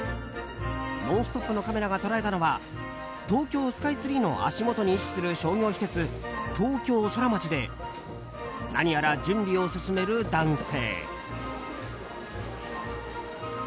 「ノンストップ！」のカメラが捉えたのは東京スカイツリーの足元に位置する商業施設、東京ソラマチで何やら準備を進める男性。